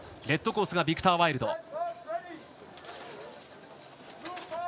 レッドコースがビクター・ワイルド。